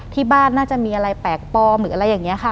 ที่บ้านน่าจะมีอะไรแปลกปลอมหรืออะไรอย่างนี้ค่ะ